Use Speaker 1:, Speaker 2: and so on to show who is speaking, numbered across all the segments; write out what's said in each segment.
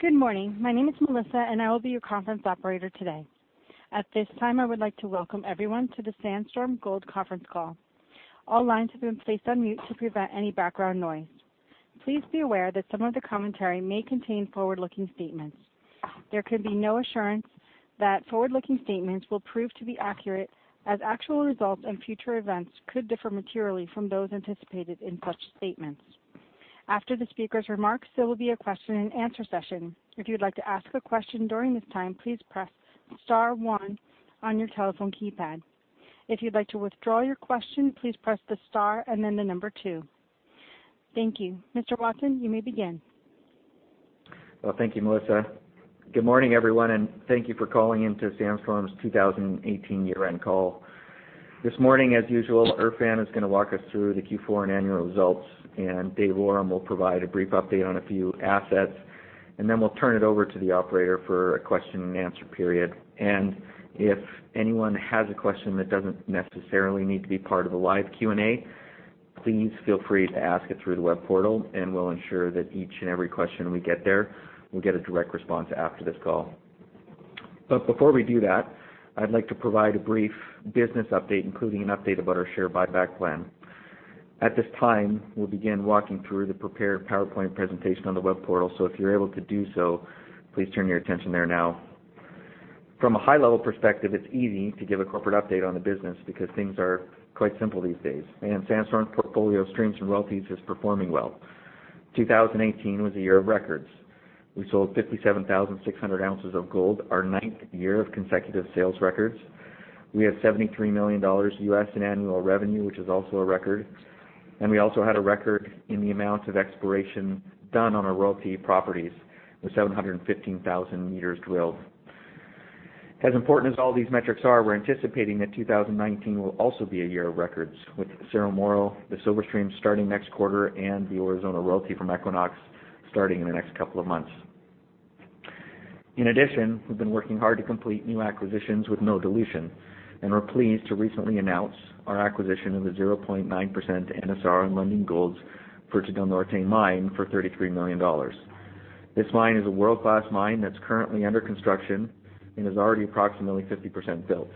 Speaker 1: Good morning. My name is Melissa, and I will be your conference operator today. At this time, I would like to welcome everyone to the Sandstorm Gold conference call. All lines have been placed on mute to prevent any background noise. Please be aware that some of the commentary may contain forward-looking statements. There can be no assurance that forward-looking statements will prove to be accurate, as actual results and future events could differ materially from those anticipated in such statements. After the speaker's remarks, there will be a question and answer session. If you'd like to ask a question during this time, please press star one on your telephone keypad. If you'd like to withdraw your question, please press the star and then the number two. Thank you. Mr. Watson, you may begin.
Speaker 2: Well, thank you, Melissa. Good morning, everyone, and thank you for calling in to Sandstorm's 2018 year-end call. This morning, as usual, Erfan is going to walk us through the Q4 and annual results. Dave Awram will provide a brief update on a few assets. Then we'll turn it over to the operator for a question and answer period. If anyone has a question that doesn't necessarily need to be part of a live Q&A, please feel free to ask it through the web portal, and we'll ensure that each and every question we get there will get a direct response after this call. Before we do that, I'd like to provide a brief business update, including an update about our share buyback plan. At this time, we'll begin walking through the prepared PowerPoint presentation on the web portal. If you're able to do so, please turn your attention there now. From a high-level perspective, it's easy to give a corporate update on the business because things are quite simple these days, and Sandstorm's portfolio of streams and royalties is performing well. 2018 was a year of records. We sold 57,600 ounces of gold, our ninth year of consecutive sales records. We have $73 million U.S. in annual revenue, which is also a record. We also had a record in the amount of exploration done on our royalty properties, with 715,000 meters drilled. As important as all these metrics are, we're anticipating that 2019 will also be a year of records, with Cerro Moro, the silver stream starting next quarter, and the Aurizona royalty from Equinox starting in the next couple of months. In addition, we've been working hard to complete new acquisitions with no dilution and were pleased to recently announce our acquisition of the 0.9% NSR in Lundin Gold's Fruta del Norte mine for $33 million. This mine is a world-class mine that's currently under construction and is already approximately 50% built.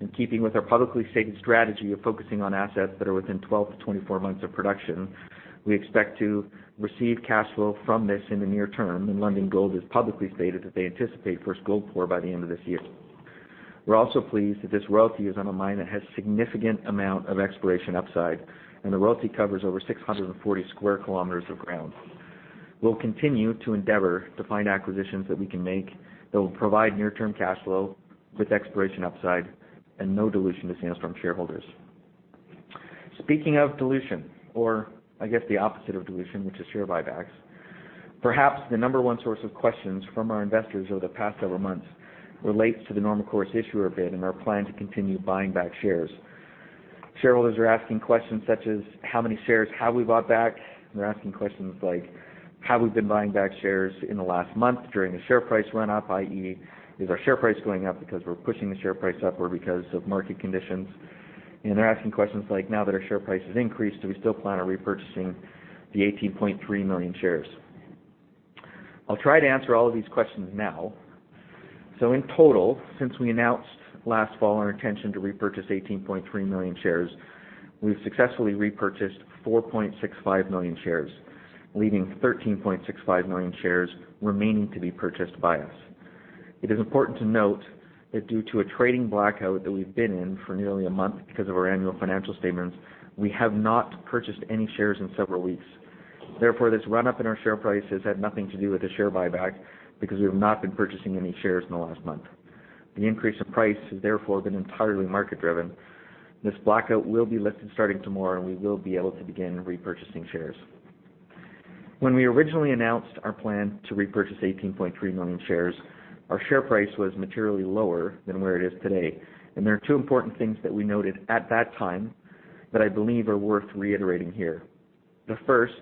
Speaker 2: In keeping with our publicly stated strategy of focusing on assets that are within 12-24 months of production, we expect to receive cash flow from this in the near term, and Lundin Gold has publicly stated that they anticipate first gold pour by the end of this year. We're also pleased that this royalty is on a mine that has significant amount of exploration upside, and the royalty covers over 640 sq km of ground. We'll continue to endeavor to find acquisitions that we can make that will provide near-term cash flow with exploration upside and no dilution to Sandstorm shareholders. Speaking of dilution, or I guess the opposite of dilution, which is share buybacks, perhaps the number one source of questions from our investors over the past several months relates to the normal course issuer bid and our plan to continue buying back shares. Shareholders are asking questions such as, how many shares have we bought back? They're asking questions like, have we been buying back shares in the last month during the share price run up, i.e., is our share price going up because we're pushing the share price up or because of market conditions? They're asking questions like, now that our share price has increased, do we still plan on repurchasing the 18.3 million shares? I'll try to answer all of these questions now. In total, since we announced last fall our intention to repurchase 18.3 million shares, we've successfully repurchased 4.65 million shares, leaving 13.65 million shares remaining to be purchased by us. It is important to note that due to a trading blackout that we've been in for nearly a month because of our annual financial statements, we have not purchased any shares in several weeks. Therefore, this run-up in our share price has had nothing to do with the share buyback because we have not been purchasing any shares in the last month. The increase of price has therefore been entirely market-driven. This blackout will be lifted starting tomorrow, and we will be able to begin repurchasing shares. When we originally announced our plan to repurchase 18.3 million shares, our share price was materially lower than where it is today. There are two important things that we noted at that time that I believe are worth reiterating here. The first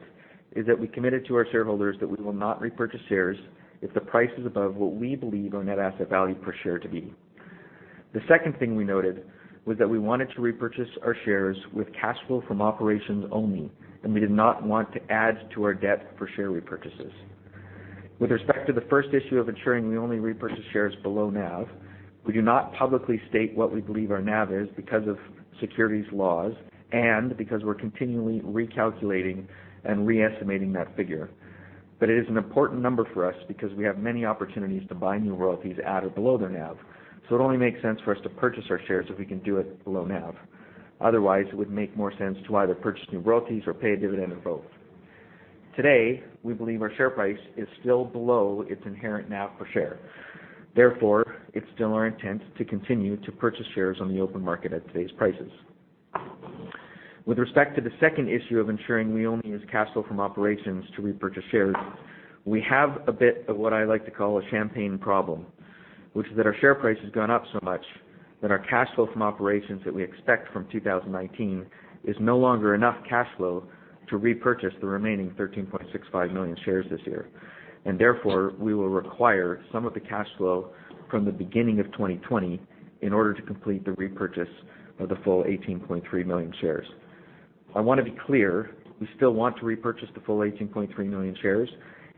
Speaker 2: is that we committed to our shareholders that we will not repurchase shares if the price is above what we believe our net asset value per share to be. The second thing we noted was that we wanted to repurchase our shares with cash flow from operations only, and we did not want to add to our debt for share repurchases. With respect to the first issue of ensuring we only repurchase shares below NAV, we do not publicly state what we believe our NAV is because of securities laws and because we're continually recalculating and re-estimating that figure. It is an important number for us because we have many opportunities to buy new royalties at or below their NAV. It only makes sense for us to purchase our shares if we can do it below NAV. Otherwise, it would make more sense to either purchase new royalties or pay a dividend of both. Today, we believe our share price is still below its inherent NAV per share. Therefore, it's still our intent to continue to purchase shares on the open market at today's prices. With respect to the second issue of ensuring we only use cash flow from operations to repurchase shares, we have a bit of what I like to call a champagne problem, which is that our share price has gone up so much that our cash flow from operations that we expect from 2019 is no longer enough cash flow to repurchase the remaining 13.65 million shares this year. Therefore, we will require some of the cash flow from the beginning of 2020 in order to complete the repurchase of the full 18.3 million shares. I want to be clear, we still want to repurchase the full 18.3 million shares.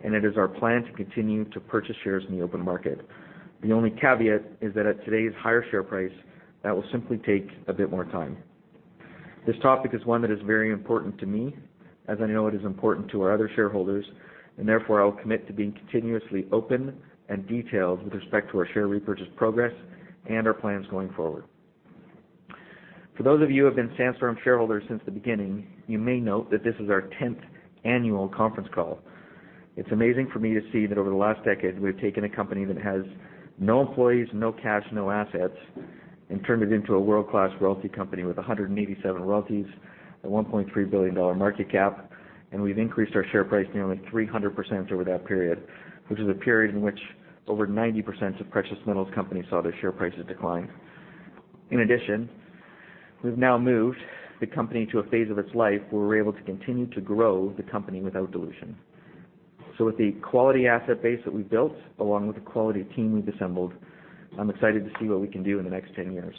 Speaker 2: It is our plan to continue to purchase shares in the open market. The only caveat is that at today's higher share price, that will simply take a bit more time. This topic is one that is very important to me, as I know it is important to our other shareholders. Therefore, I will commit to being continuously open and detailed with respect to our share repurchase progress and our plans going forward. For those of you who have been Sandstorm shareholders since the beginning, you may note that this is our 10th annual conference call. It's amazing for me to see that over the last decade, we've taken a company that has no employees, no cash, no assets, turned it into a world-class royalty company with 187 royalties, a 1.3 billion dollar market cap. We've increased our share price nearly 300% over that period, which is a period in which over 90% of precious metals companies saw their share prices decline. In addition, we've now moved the company to a phase of its life where we're able to continue to grow the company without dilution. With the quality asset base that we've built, along with the quality team we've assembled, I'm excited to see what we can do in the next 10 years.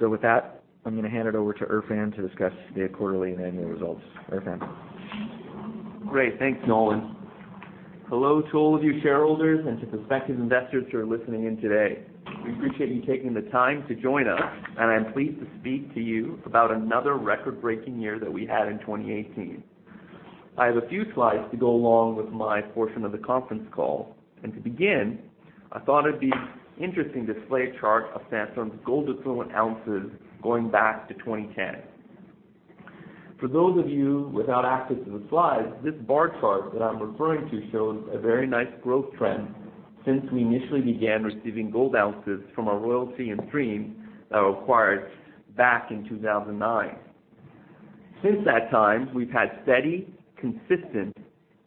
Speaker 2: With that, I'm going to hand it over to Erfan to discuss the quarterly and annual results. Erfan?
Speaker 3: Great. Thanks, Nolan. Hello to all of you shareholders and to prospective investors who are listening in today. We appreciate you taking the time to join us. I'm pleased to speak to you about another record-breaking year that we had in 2018. I have a few slides to go along with my portion of the conference call. To begin, I thought it'd be interesting to display a chart of Sandstorm's gold equivalent ounces going back to 2010. For those of you without access to the slides, this bar chart that I'm referring to shows a very nice growth trend since we initially began receiving gold ounces from our royalty and stream that were acquired back in 2009. Since that time, we've had steady, consistent,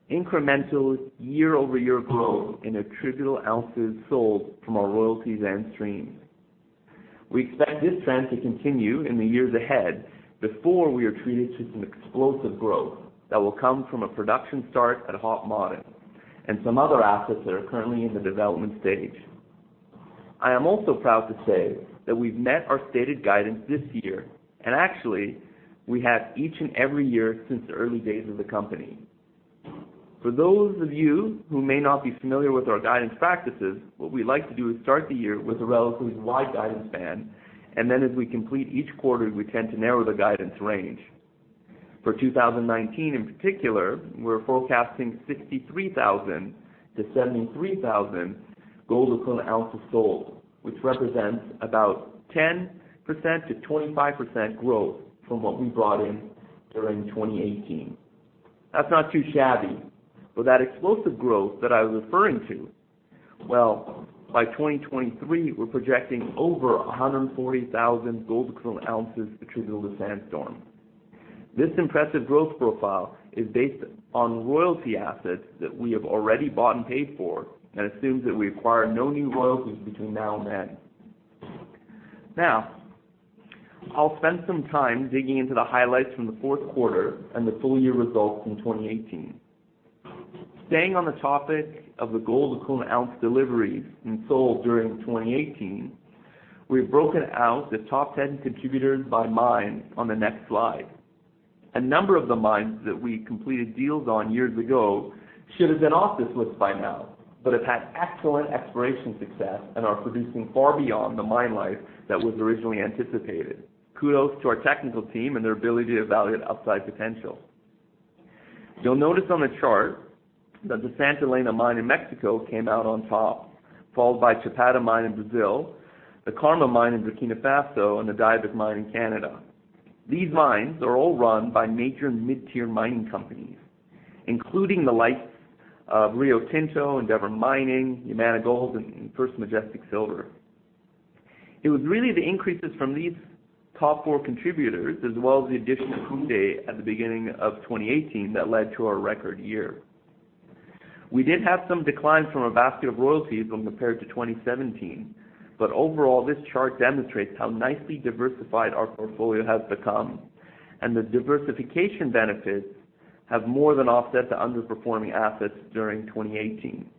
Speaker 3: incremental year-over-year growth in attributable ounces sold from our royalties and streams. We expect this trend to continue in the years ahead before we are treated to some explosive growth that will come from a production start at Hod Maden and some other assets that are currently in the development stage. I am also proud to say that we've met our stated guidance this year. Actually, we have each and every year since the early days of the company. For those of you who may not be familiar with our guidance practices, what we like to do is start the year with a relatively wide guidance band. Then as we complete each quarter, we tend to narrow the guidance range. For 2019 in particular, we're forecasting 63,000-73,000 gold equivalent ounces sold, which represents about 10%-25% growth from what we brought in during 2018. That's not too shabby. That explosive growth that I was referring to, by 2023, we're projecting over 140,000 gold equivalent ounces attributable to Sandstorm. This impressive growth profile is based on royalty assets that we have already bought and paid for and assumes that we acquire no new royalties between now and then. I'll spend some time digging into the highlights from the fourth quarter and the full year results from 2018. Staying on the topic of the gold equivalent ounce deliveries and sold during 2018, we've broken out the top 10 contributors by mine on the next slide. A number of the mines that we completed deals on years ago should have been off this list by now, but have had excellent exploration success and are producing far beyond the mine life that was originally anticipated. Kudos to our technical team and their ability to evaluate upside potential. You'll notice on the chart that the Santa Elena mine in Mexico came out on top, followed by Chapada mine in Brazil, the Karma mine in Burkina Faso, and the Diavik mine in Canada. These mines are all run by major mid-tier mining companies, including the likes of Rio Tinto, Endeavour Mining, Yamana Gold, and First Majestic Silver. It was really the increases from these top four contributors, as well as the addition of Houndé at the beginning of 2018, that led to our record year. We did have some declines from a basket of royalties when compared to 2017, overall, this chart demonstrates how nicely diversified our portfolio has become, and the diversification benefits have more than offset the underperforming assets during 2018.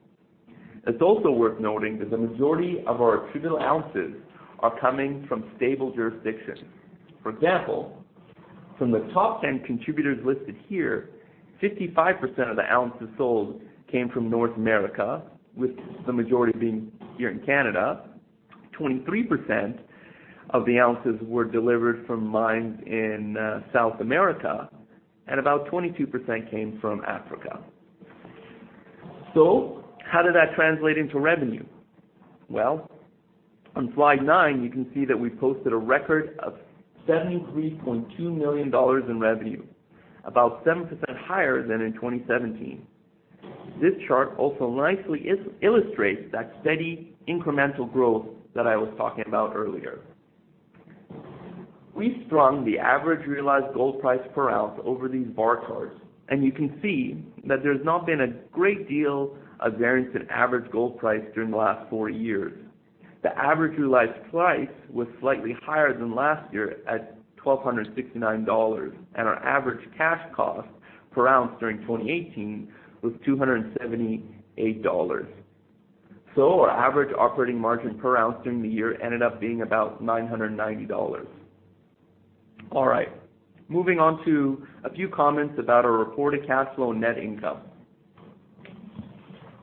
Speaker 3: It's also worth noting that the majority of our attributable ounces are coming from stable jurisdictions. For example, from the top 10 contributors listed here, 55% of the ounces sold came from North America, with the majority being here in Canada, 23% of the ounces were delivered from mines in South America, and about 22% came from Africa. How did that translate into revenue? On slide nine, you can see that we posted a record of $73.2 million in revenue, about 7% higher than in 2017. This chart also nicely illustrates that steady incremental growth that I was talking about earlier. We've strung the average realized gold price per ounce over these bar charts, and you can see that there's not been a great deal of variance in average gold price during the last four years. The average realized price was slightly higher than last year at $1,269, our average cash cost per ounce during 2018 was $278. So our average operating margin per ounce during the year ended up being about $990. Moving on to a few comments about our reported cash flow net income.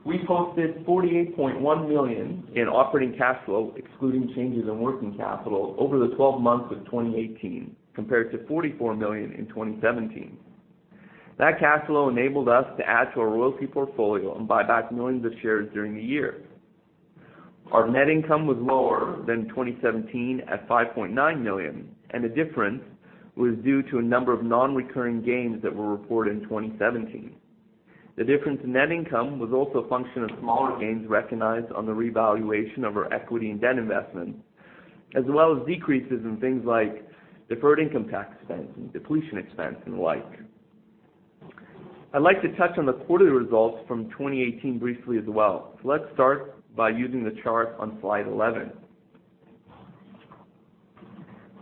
Speaker 3: We posted $48.1 million in operating cash flow, excluding changes in working capital over the 12 months of 2018, compared to $44 million in 2017. That cash flow enabled us to add to our royalty portfolio and buy back millions of shares during the year. Our net income was lower than 2017 at $5.9 million, the difference was due to a number of non-recurring gains that were reported in 2017. The difference in net income was also a function of smaller gains recognized on the revaluation of our equity and debt investments, as well as decreases in things like deferred income tax expense and depletion expense and the like. I'd like to touch on the quarterly results from 2018 briefly as well. Let's start by using the chart on slide 11.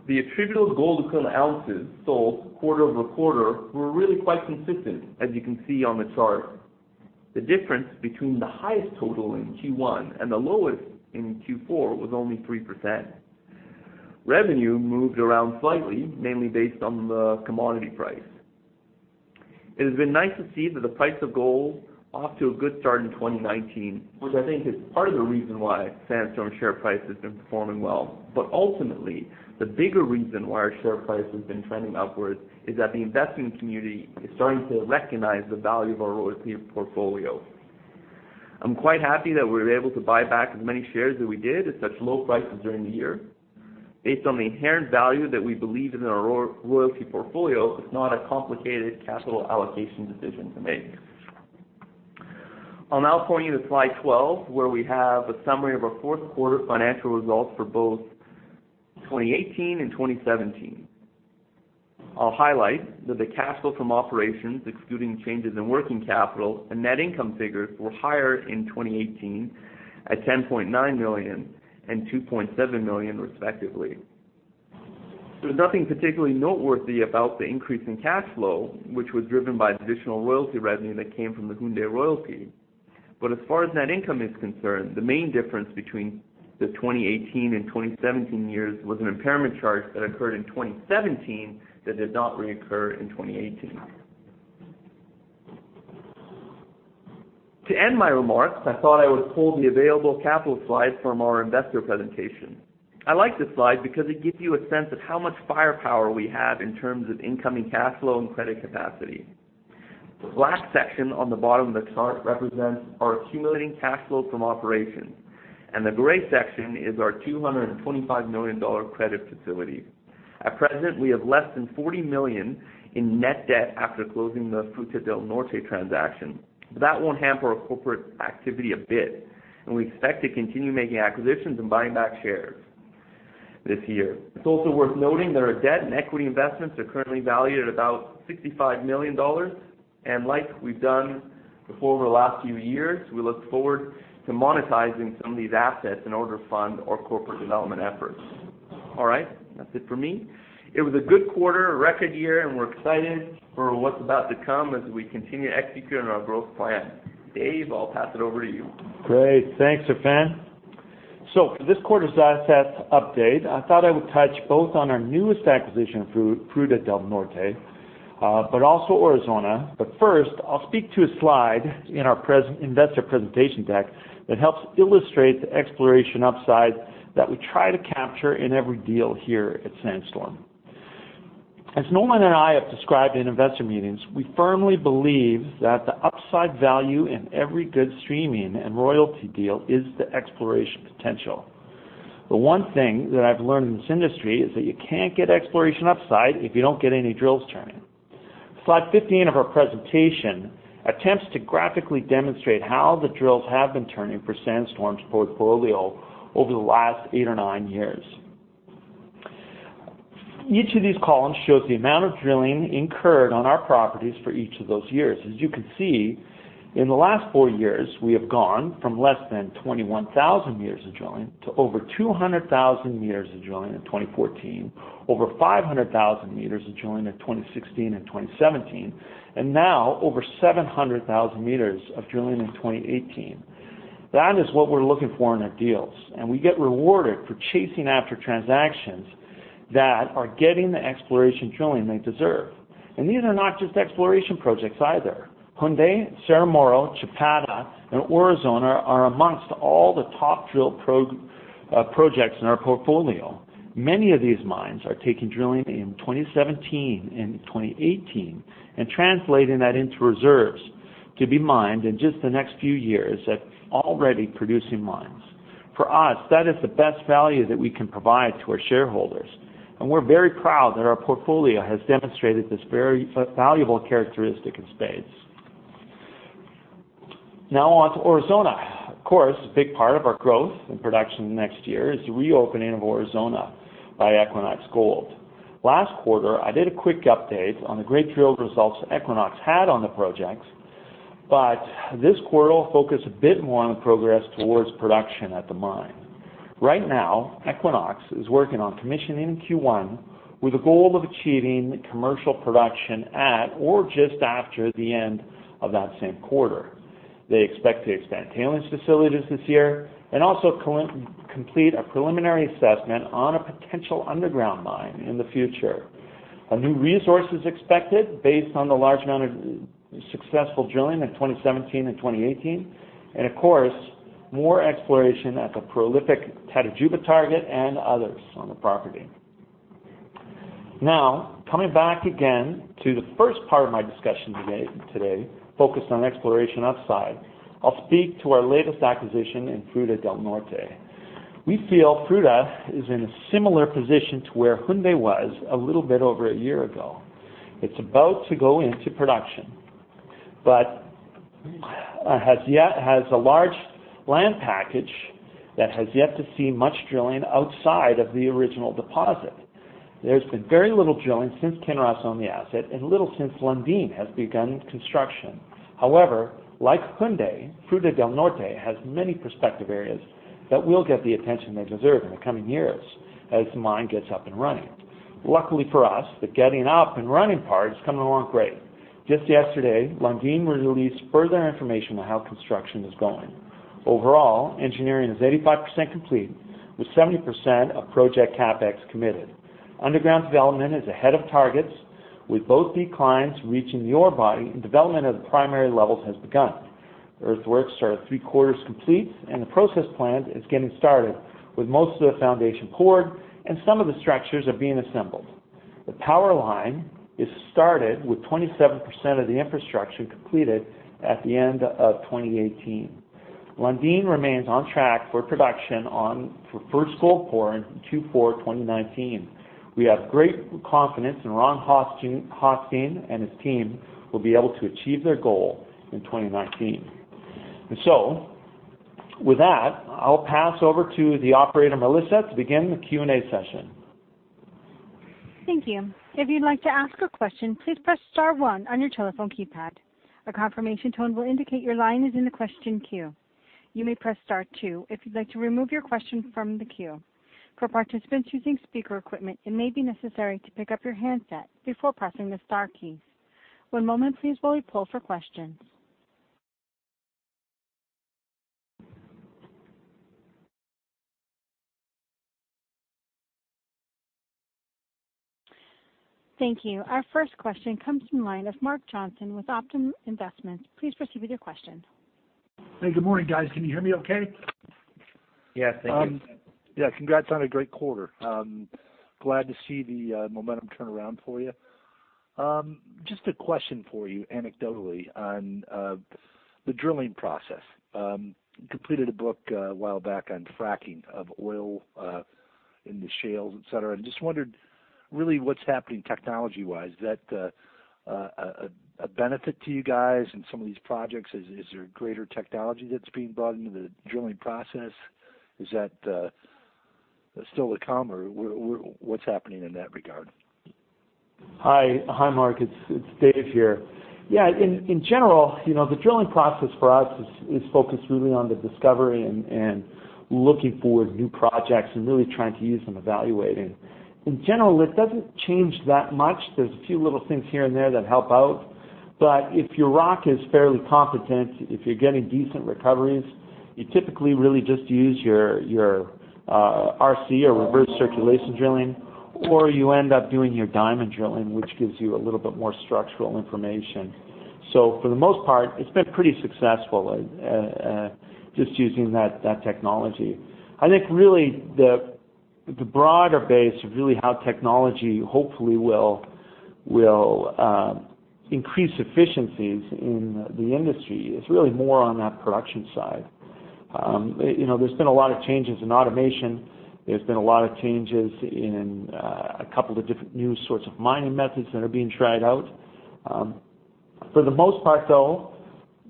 Speaker 3: The attributable gold equivalent ounces sold quarter-over-quarter were really quite consistent, as you can see on the chart. The difference between the highest total in Q1 and the lowest in Q4 was only 3%. Revenue moved around slightly, mainly based on the commodity price. It has been nice to see that the price of gold off to a good start in 2019, which I think is part of the reason why Sandstorm's share price has been performing well. Ultimately, the bigger reason why our share price has been trending upwards is that the investing community is starting to recognize the value of our royalty portfolio. I'm quite happy that we were able to buy back as many shares as we did at such low prices during the year. Based on the inherent value that we believe is in our royalty portfolio, it's not a complicated capital allocation decision to make. I'll now point you to slide 12, where we have a summary of our fourth quarter financial results for both 2018 and 2017. I'll highlight that the cash flow from operations, excluding changes in working capital and net income figures, were higher in 2018 at $10.9 million and $2.7 million, respectively. There's nothing particularly noteworthy about the increase in cash flow, which was driven by additional royalty revenue that came from the Houndé royalty. As far as net income is concerned, the main difference between the 2018 and 2017 years was an impairment charge that occurred in 2017 that did not reoccur in 2018. To end my remarks, I thought I would pull the available capital slide from our investor presentation. I like this slide because it gives you a sense of how much firepower we have in terms of incoming cash flow and credit capacity. The black section on the bottom of the chart represents our accumulating cash flow from operations, and the gray section is our $225 million credit facility. At present, we have less than $40 million in net debt after closing the Fruta del Norte transaction. That won't hamper our corporate activity a bit, and we expect to continue making acquisitions and buying back shares this year. It's also worth noting that our debt and equity investments are currently valued at about $65 million, and like we've done before over the last few years, we look forward to monetizing some of these assets in order to fund our corporate development efforts. All right, that's it for me. It was a good quarter, a record year, and we're excited for what's about to come as we continue executing our growth plan. Dave, I'll pass it over to you.
Speaker 4: Great. Thanks, Erfan. For this quarter's assets update, I thought I would touch both on our newest acquisition, Fruta del Norte, also Aurizona. First, I'll speak to a slide in our investor presentation deck that helps illustrate the exploration upside that we try to capture in every deal here at Sandstorm. As Nolan and I have described in investor meetings, we firmly believe that the upside value in every good streaming and royalty deal is the exploration potential. The one thing that I've learned in this industry is that you can't get exploration upside if you don't get any drills turning. Slide 15 of our presentation attempts to graphically demonstrate how the drills have been turning for Sandstorm's portfolio over the last eight or nine years. Each of these columns shows the amount of drilling incurred on our properties for each of those years. As you can see, in the last four years, we have gone from less than 21,000 meters of drilling to over 200,000 meters of drilling in 2014, over 500,000 meters of drilling in 2016 and 2017, now over 700,000 meters of drilling in 2018. That is what we're looking for in our deals, we get rewarded for chasing after transactions that are getting the exploration drilling they deserve. These are not just exploration projects either. Houndé, Cerro Moro, Chapada, and Aurizona are amongst all the top drill projects in our portfolio. Many of these mines are taking drilling in 2017 and 2018 and translating that into reserves to be mined in just the next few years at already producing mines. For us, that is the best value that we can provide to our shareholders, we're very proud that our portfolio has demonstrated this very valuable characteristic in spades. On to Aurizona. Of course, a big part of our growth and production next year is the reopening of Aurizona by Equinox Gold. Last quarter, I did a quick update on the great drill results that Equinox had on the projects, this quarter I'll focus a bit more on the progress towards production at the mine. Right now, Equinox is working on commissioning Q1 with a goal of achieving commercial production at or just after the end of that same quarter. They expect to expand tailings facilities this year also complete a preliminary assessment on a potential underground mine in the future. A new resource is expected based on the large amount of successful drilling in 2017 and 2018, more exploration at the prolific Tatajuba target and others on the property. Coming back again to the first part of my discussion today, focused on exploration upside, I'll speak to our latest acquisition in Fruta del Norte. We feel Fruta is in a similar position to where Houndé was a little bit over a year ago. It's about to go into production, has a large land package that has yet to see much drilling outside of the original deposit. There's been very little drilling since Kinross owned the asset and little since Lundin has begun construction. Like Houndé, Fruta del Norte has many prospective areas that will get the attention they deserve in the coming years as the mine gets up and running. Luckily for us, the getting up and running part is coming along great. Just yesterday, Lundin released further information on how construction is going. Overall, engineering is 85% complete with 70% of project CapEx committed. Underground development is ahead of targets, with both declines reaching the ore body and development of the primary levels has begun. Earthworks are three-quarters complete, and the process plant is getting started with most of the foundation poured and some of the structures are being assembled. The power line is started with 27% of the infrastructure completed at the end of 2018. Lundin remains on track for production for first gold pouring in Q4 2019. We have great confidence in Ron Hochstein and his team will be able to achieve their goal in 2019. With that, I'll pass over to the operator, Melissa, to begin the Q&A session.
Speaker 1: Thank you. If you'd like to ask a question, please press star one on your telephone keypad. A confirmation tone will indicate your line is in the question queue. You may press star two if you'd like to remove your question from the queue. For participants using speaker equipment, it may be necessary to pick up your handset before pressing the star keys. One moment please while we poll for questions. Thank you. Our first question comes from the line of Mark Johnson with Optum Financial. Please proceed with your question.
Speaker 5: Hey, good morning, guys. Can you hear me okay?
Speaker 4: Yes, thank you.
Speaker 5: Yeah. Congrats on a great quarter. I'm glad to see the momentum turn around for you. Just a question for you anecdotally on the drilling process. Completed a book a while back on fracking of oil in the shale, et cetera, and just wondered really what's happening technology-wise. Is that a benefit to you guys in some of these projects? Is there greater technology that's being brought into the drilling process? Is that still to come, or what's happening in that regard?
Speaker 4: Hi, Mark, it's Dave here. Yeah, in general, the drilling process for us is focused really on the discovery and looking for new projects and really trying to use them evaluating. In general, it doesn't change that much. There's a few little things here and there that help out, but if your rock is fairly competent, if you're getting decent recoveries, you typically really just use your RC or reverse circulation drilling, or you end up doing your diamond drilling, which gives you a little bit more structural information. For the most part, it's been pretty successful just using that technology. I think really the broader base of really how technology hopefully will increase efficiencies in the industry is really more on that production side. There's been a lot of changes in automation. There's been a lot of changes in a couple of different new sorts of mining methods that are being tried out. For the most part, though,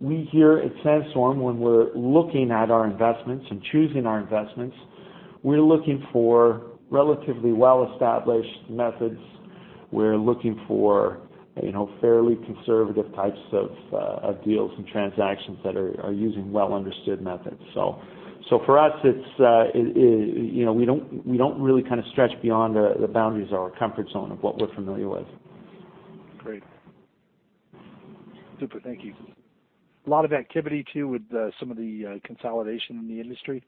Speaker 4: we here at Sandstorm, when we're looking at our investments and choosing our investments, we're looking for relatively well-established methods. We're looking for fairly conservative types of deals and transactions that are using well-understood methods. For us, we don't really stretch beyond the boundaries of our comfort zone of what we're familiar with.
Speaker 5: Great. Super, thank you. A lot of activity too with some of the consolidation in the industry.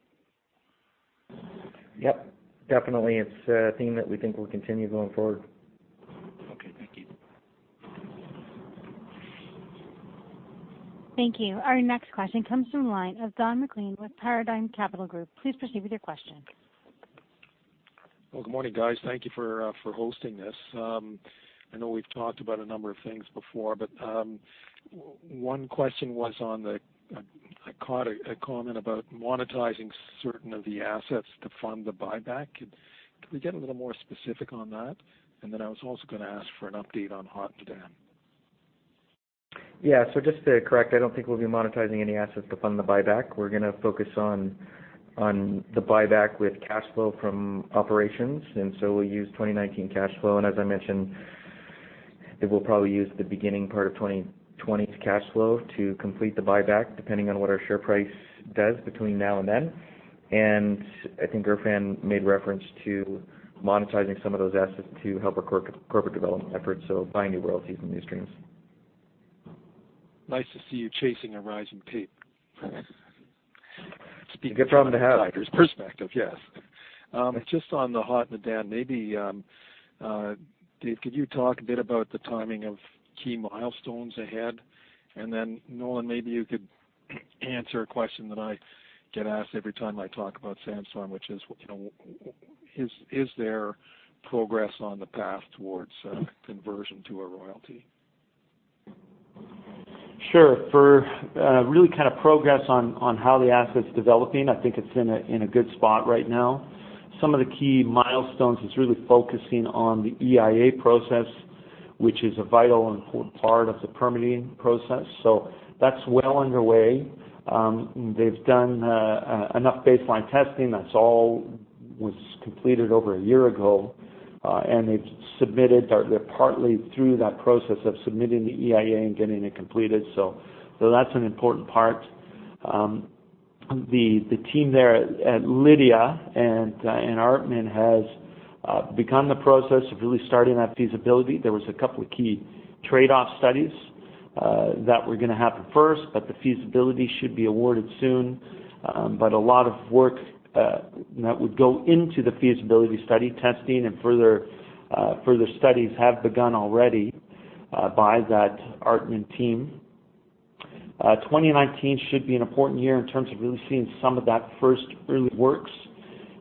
Speaker 4: Yep, definitely. It's a theme that we think will continue going forward.
Speaker 5: Okay, thank you.
Speaker 1: Thank you. Our next question comes from the line of Don MacLean with Paradigm Capital Group. Please proceed with your question.
Speaker 6: Well, good morning, guys. Thank you for hosting this. I know we've talked about a number of things before. One question was on the I caught a comment about monetizing certain of the assets to fund the buyback. Could we get a little more specific on that? I was also going to ask for an update on Hod Maden.
Speaker 2: Yeah. Just to correct, I don't think we'll be monetizing any assets to fund the buyback. We're going to focus on the buyback with cash flow from operations, we'll use 2019 cash flow. As I mentioned That we'll probably use the beginning part of 2020's cash flow to complete the buyback, depending on what our share price does between now and then. I think Erfan made reference to monetizing some of those assets to help our corporate development efforts, so buying new royalties and new streams.
Speaker 6: Nice to see you chasing a rising tape.
Speaker 2: It's a good problem to have.
Speaker 6: Speaking from an investor's perspective, yes. Just on the Hod Maden, maybe, Dave, could you talk a bit about the timing of key milestones ahead? Nolan, maybe you could answer a question that I get asked every time I talk about Sandstorm, which is there progress on the path towards conversion to a royalty?
Speaker 4: Sure. For really progress on how the asset's developing, I think it's in a good spot right now. Some of the key milestones is really focusing on the EIA process, which is a vital and important part of the permitting process. That's well underway. They've done enough baseline testing. That all was completed over a year ago. They're partly through that process of submitting the EIA and getting it completed. That's an important part. The team there at Lidya and Artmin has begun the process of really starting that feasibility. There was a couple of key trade-off studies that were going to happen first, but the feasibility should be awarded soon. A lot of work that would go into the feasibility study testing and further studies have begun already by that Artmin team. 2019 should be an important year in terms of really seeing some of that first early works,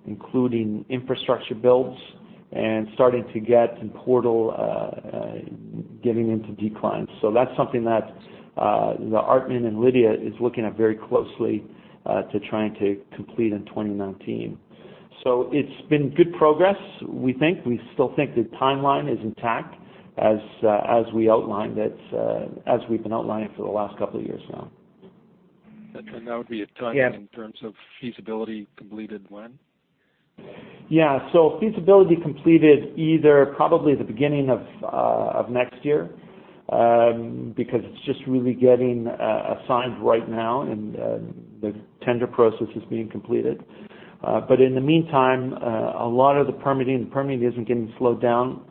Speaker 4: including infrastructure builds and starting to get some portal giving into decline. That's something that Artmin and Lidya is looking at very closely to trying to complete in 2019. It's been good progress, we think. We still think the timeline is intact as we've been outlining for the last couple of years now.
Speaker 6: That would be a timeline-
Speaker 4: Yes.
Speaker 6: In terms of feasibility completed when?
Speaker 4: Yeah. Feasibility completed either probably the beginning of next year, because it's just really getting assigned right now and the tender process is being completed. In the meantime, a lot of the permitting isn't getting slowed down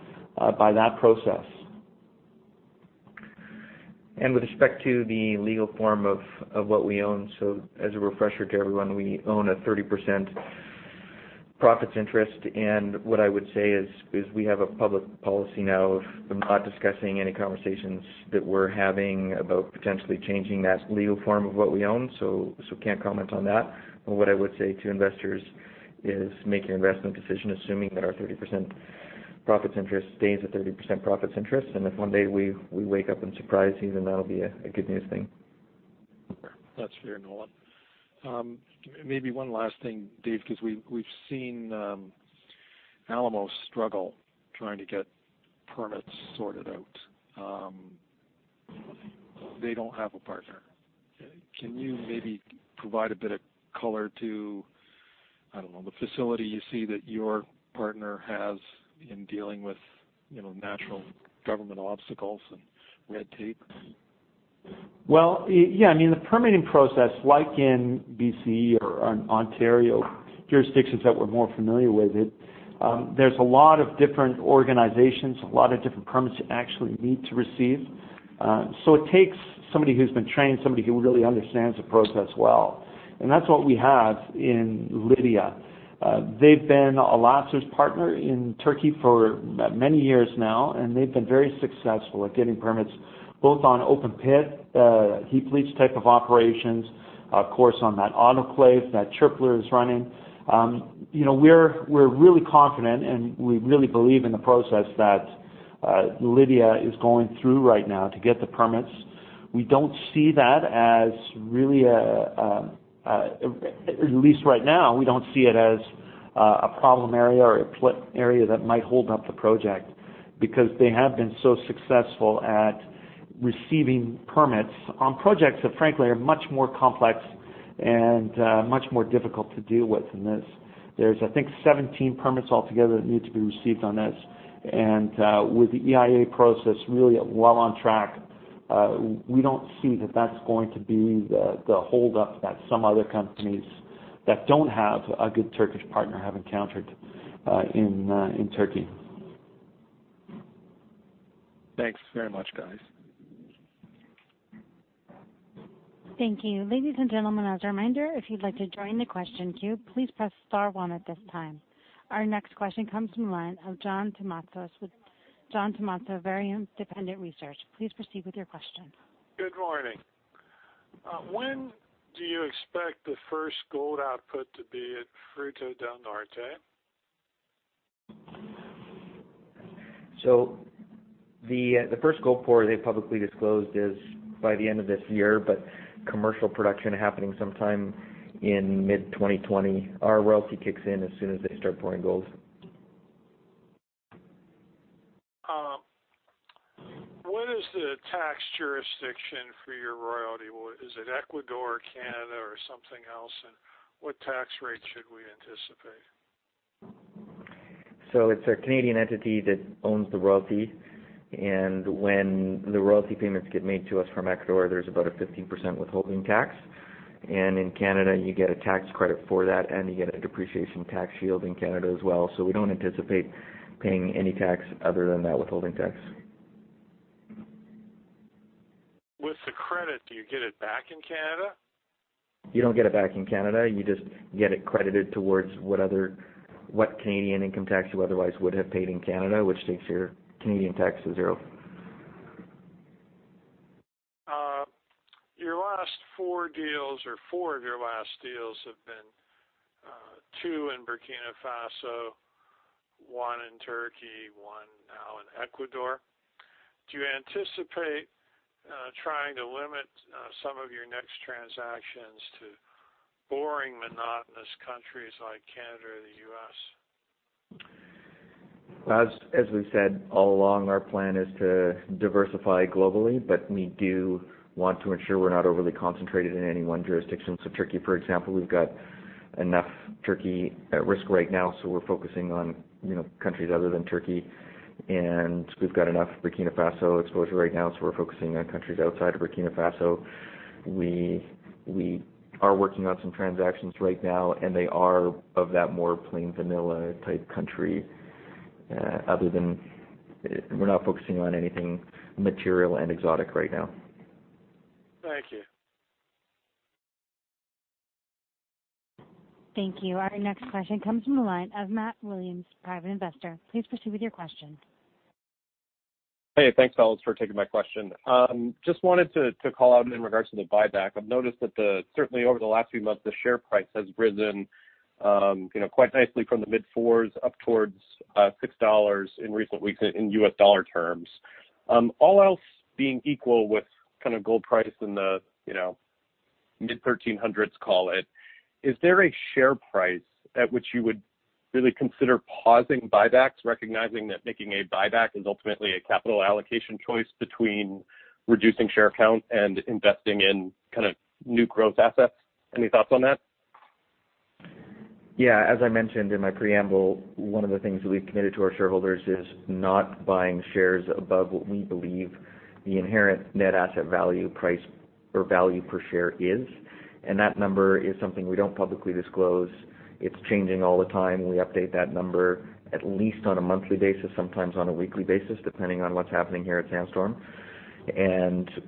Speaker 4: by that process.
Speaker 2: With respect to the legal form of what we own, so as a refresher to everyone, we own a 30% profits interest and what I would say is we have a public policy now of not discussing any conversations that we're having about potentially changing that legal form of what we own. Can't comment on that. What I would say to investors is make your investment decision assuming that our 30% profits interest stays at 30% profits interest. If one day we wake up and surprise you, then that'll be a good news thing.
Speaker 6: That's fair, Nolan. Maybe one last thing, Dave, because we've seen Alamos struggle trying to get permits sorted out. They don't have a partner. Can you maybe provide a bit of color to, I don't know, the facility you see that your partner has in dealing with natural government obstacles and red tape?
Speaker 4: Well, yeah. The permitting process, like in B.C. or Ontario, jurisdictions that we're more familiar with it, there's a lot of different organizations, a lot of different permits you actually need to receive. It takes somebody who's been trained, somebody who really understands the process well. That's what we have in Lidya. They've been Alacer's partner in Turkey for many years now, and they've been very successful at getting permits, both on open pit heap leach type of operations, of course, on that autoclave that Çöpler is running. We're really confident and we really believe in the process that Lidya is going through right now to get the permits. At least right now, we don't see it as a problem area or a flip area that might hold up the project because they have been so successful at receiving permits on projects that frankly are much more complex and much more difficult to deal with than this. There's, I think, 17 permits altogether that need to be received on this. With the EIA process really well on track, we don't see that that's going to be the hold-up that some other companies that don't have a good Turkish partner have encountered in Turkey.
Speaker 6: Thanks very much, guys.
Speaker 1: Thank you. Ladies and gentlemen, as a reminder, if you'd like to join the question queue, please press star one at this time. Our next question comes from the line of John Tumazos with John Tumazos Very Independent Research. Please proceed with your question.
Speaker 7: Good morning. When do you expect the first gold output to be at Fruta del Norte?
Speaker 2: The first gold pour they publicly disclosed is by the end of this year, but commercial production happening sometime in mid-2020. Our royalty kicks in as soon as they start pouring gold.
Speaker 7: What is the tax jurisdiction for your royalty? Is it Ecuador, Canada, or something else? What tax rate should we anticipate?
Speaker 2: It's a Canadian entity that owns the royalty, and when the royalty payments get made to us from Ecuador, there's about a 15% withholding tax. In Canada, you get a tax credit for that, and you get a depreciation tax shield in Canada as well. We don't anticipate paying any tax other than that withholding tax.
Speaker 7: With the credit, do you get it back in Canada?
Speaker 2: You don't get it back in Canada. You just get it credited towards what Canadian income tax you otherwise would have paid in Canada, which takes your Canadian tax to zero.
Speaker 7: Your last four deals, or four of your last deals have been two in Burkina Faso, one in Turkey, one now in Ecuador. Do you anticipate trying to limit some of your next transactions to boring, monotonous countries like Canada or the U.S.?
Speaker 2: As we've said all along, our plan is to diversify globally, but we do want to ensure we're not overly concentrated in any one jurisdiction. Turkey, for example, we've got enough Turkey at risk right now, so we're focusing on countries other than Turkey. We've got enough Burkina Faso exposure right now, so we're focusing on countries outside of Burkina Faso. We are working on some transactions right now, and they are of that more plain vanilla type country. We're not focusing on anything material and exotic right now.
Speaker 7: Thank you.
Speaker 1: Thank you. Our next question comes from the line of Matt Williams, private investor. Please proceed with your question. Hey, thanks, fellas, for taking my question. Just wanted to call out in regards to the buyback. I've noticed that certainly over the last few months, the share price has risen quite nicely from the mid-fours up towards $6 in recent weeks in US dollar terms. All else being equal with gold price in the mid-1,300s, call it, is there a share price at which you would really consider pausing buybacks, recognizing that making a buyback is ultimately a capital allocation choice between reducing share count and investing in new growth assets? Any thoughts on that?
Speaker 2: Yeah. As I mentioned in my preamble, one of the things that we've committed to our shareholders is not buying shares above what we believe the inherent net asset value price or value per share is. That number is something we don't publicly disclose. It's changing all the time. We update that number at least on a monthly basis, sometimes on a weekly basis, depending on what's happening here at Sandstorm.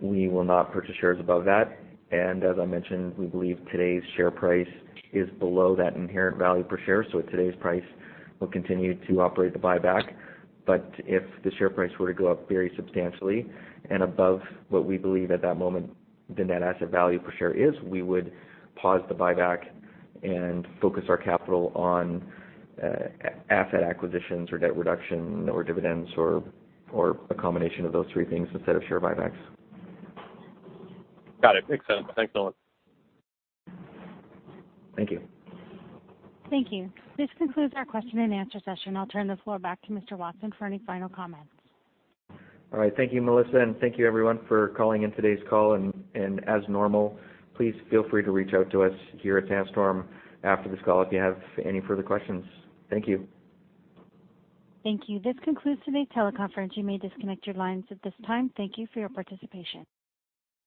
Speaker 2: We will not purchase shares above that. As I mentioned, we believe today's share price is below that inherent value per share. At today's price, we'll continue to operate the buyback. If the share price were to go up very substantially and above what we believe at that moment the net asset value per share is, we would pause the buyback and focus our capital on asset acquisitions or debt reduction or dividends or a combination of those three things instead of share buybacks. Got it. Makes sense. Thanks, Nolan. Thank you.
Speaker 1: Thank you. This concludes our question and answer session. I'll turn the floor back to Mr. Watson for any final comments.
Speaker 2: All right. Thank you, Melissa, and thank you everyone for calling in today's call. As normal, please feel free to reach out to us here at Sandstorm after this call if you have any further questions. Thank you.
Speaker 1: Thank you. This concludes today's teleconference. You may disconnect your lines at this time. Thank you for your participation.